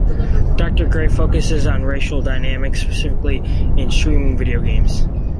Doctor Gray focuses on racial dynamics specifically in streaming video games.